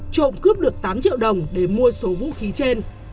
trộm cướp được tám triệu đồng để mua số vũ khí trên